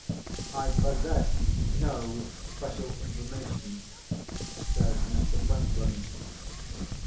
"I possess no special information," says Mr. Franklin.